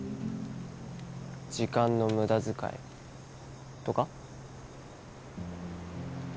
時間の無駄遣いとか？